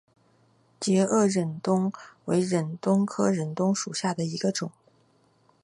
截萼忍冬为忍冬科忍冬属下的一个种。